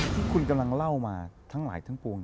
ที่คุณกำลังเล่ามาทั้งหลายทั้งปวง